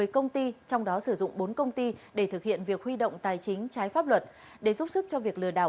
một mươi công ty trong đó sử dụng bốn công ty để thực hiện việc huy động tài chính trái pháp luật để giúp sức cho việc lừa đảo